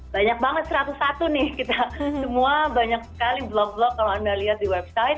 banyak banget satu ratus satu nih kita semua banyak sekali blog blog kalau anda lihat di website